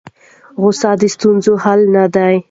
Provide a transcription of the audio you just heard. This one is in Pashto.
غوسه د ستونزو حل نه دی.